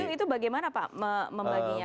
itu bagaimana pak membaginya